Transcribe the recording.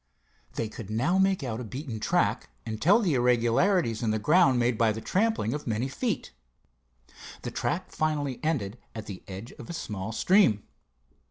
They could now make out a beaten track, and tell the irregularities in the ground made by the trampling of many feet. The track finally ended at the edge of a small stream.